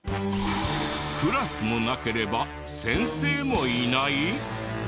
クラスもなければ先生もいない？